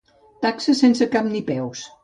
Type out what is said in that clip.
Taxes sense cap ni peus.